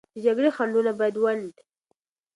د جګړې خنډونه باید ونډ